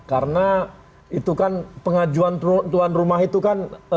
karena itu kan pengajuan tuan rumah itu kan